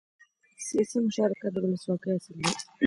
سیاسي مشارکت د ولسواکۍ اصل دی